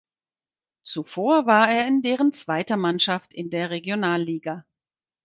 Zuvor war er in deren zweiter Mannschaft in der Regionalliga.